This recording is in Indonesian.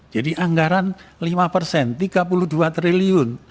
jadi anggaran lima persen tiga puluh dua triliun